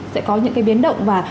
sẽ có những cái biến động và